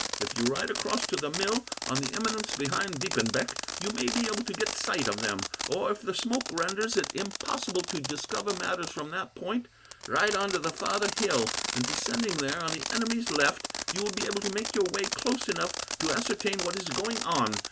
If you ride across to the mill, on the eminence behind Diepenbeck, you may be able to get sight of them; or, if the smoke renders it impossible to discover matters from that point, ride on to the farther hill, and, descending there on the enemy's left, you will be able to make your way close enough to ascertain what is going on.